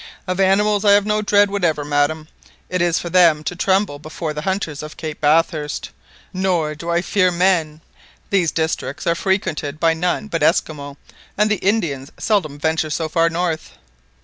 "Of animals I have no dread whatever, madam; it is for them to tremble before the hunters of Cape Bathurst, nor do I fear men; these districts are frequented by none but Esquimaux, and the Indians seldom venture so far north."